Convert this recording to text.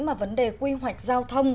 mà vấn đề quy hoạch giao thông